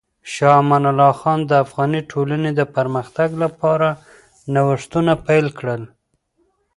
شاه امان الله خان د افغاني ټولنې د پرمختګ لپاره نوښتونه پیل کړل.